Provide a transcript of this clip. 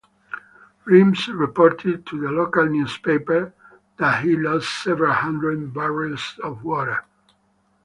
Reams reported to the local newspaper that he lost several hundred barrels of water.